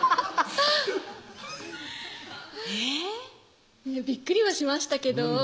えぇっびっくりはしましたけど